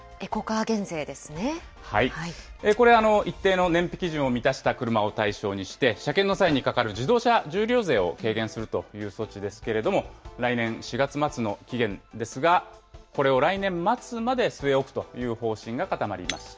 これ、一定の燃費基準を満たした車を対象にして、車検の際にかかる自動車重量税を軽減するという措置ですけれども、来年４月末の期限ですが、これを来年末まで据え置くという方針が固まりました。